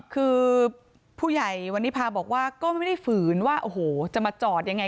คือผู้ใหญ่วันนี้พาบอกว่าก็ไม่ได้ฝืนว่าโอ้โหจะมาจอดยังไง